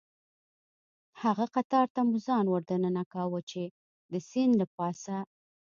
هغه قطار ته مو ځان وردننه کاوه، چې د سیند له پاسه.